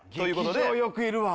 劇場よくいるわ。